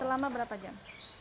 selama berapa jam